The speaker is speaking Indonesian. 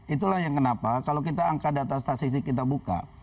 itulah yang kenapa kalau kita angka data statistik kita buka